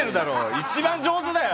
一番上手だよ！